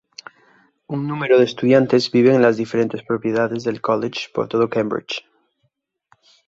Un número de estudiantes viven en las diferentes propiedades del college por todo Cambridge.